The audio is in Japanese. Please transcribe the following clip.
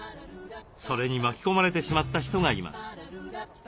それに巻き込まれてしまった人がいます。